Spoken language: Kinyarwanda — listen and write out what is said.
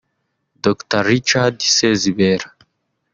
Dr Richard Sezibera